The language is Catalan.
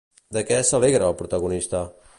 De què s'alegra el protagonista?